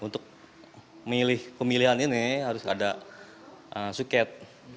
untuk pemilihan ini harus ada suket